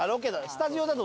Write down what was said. スタジオだと。